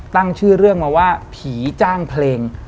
ตั้งชื่อเรื่องมาว่าผีจ้างเพลง